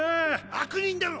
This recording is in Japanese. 悪人だろ？